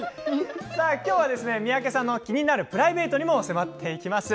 今日は三宅さんの気になるプライベートにも迫っていきます。